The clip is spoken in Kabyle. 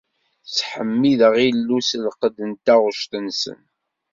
Ttḥemmiden Illu s lqedd n taɣect-nsen.